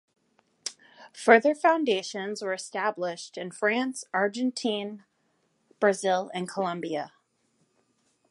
Further foundations were established in France, Argentine, Brazil and Columbia.